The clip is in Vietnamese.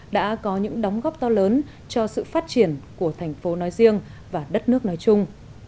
đã có những đóng góp to lớn cho sự phát triển của thành phố nói riêng và đất nước nói chung